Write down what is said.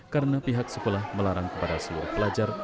karena pihak sekolah melarang kepada seluruh pelajar